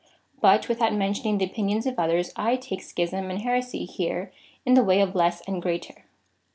But without mentioning the opinions of others, I take schism and heresy here in the way of less and greater.